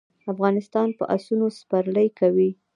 افغانان په اسونو سپرلي کوي.